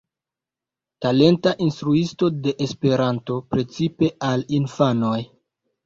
Talenta instruisto de Esperanto, precipe al infanoj.